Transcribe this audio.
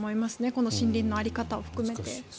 この森林の在り方も含めて。